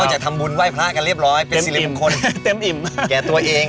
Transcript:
จะทำบุญไหว้พระกันเรียบร้อยเป็นสิริมงคลเต็มอิ่มแก่ตัวเอง